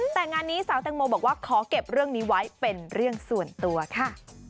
แต่งานนี้สาวแตงโมบอกว่าขอเก็บเรื่องนี้ไว้เป็นเรื่องส่วนตัวค่ะ